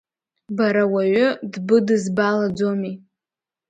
Бара уаҩы дбыдызбалаӡомеи.